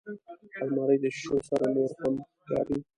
الماري د شیشو سره نورهم ښکاري